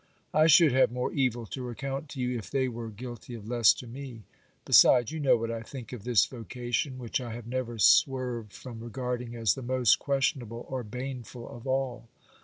I should have more evil to recount to you if they were guilty of less to me. Besides, you know what I think of this vocation, which I have never swerved from regarding as the most questionable or baneful of all.